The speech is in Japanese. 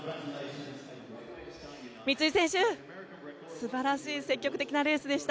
三井選手、素晴らしい積極的なレースでした。